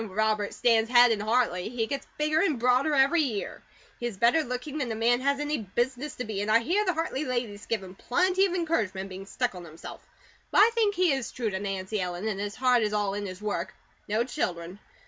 "Robert stands head in Hartley. He gets bigger and broader every year. He is better looking than a man has any business to be; and I hear the Hartley ladies give him plenty of encouragement in being stuck on himself, but I think he is true to Nancy Ellen, and his heart is all in his work. No children.